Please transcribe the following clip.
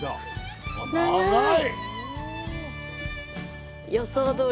長い。